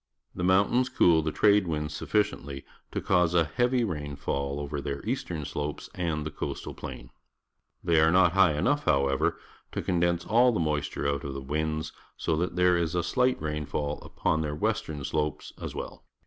The jnountains. cool Jhe trade winds suffi ciently to cause a heavy rainfall over their eastern slopes and the coastal plain. They are^not high enough, however, to condense aU the moisture out of the winds, so that there is a sUght rainfa ll __ux>oii. their western sl opes as weU .